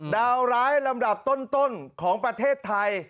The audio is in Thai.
ดาวร้ายลำดับต้นของประเทศไทย